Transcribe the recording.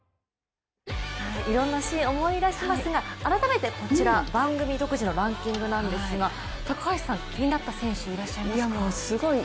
いろんなシーン思い出しますが改めて、こちら番組独自のランキングですが高橋さん、気になった選手いらっしゃいますか？